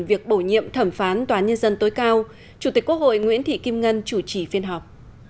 việc bổ nhiệm thẩm phán tòa án nhân dân tối cao chủ tịch quốc hội nguyễn thị kim ngân chủ trì phiên họp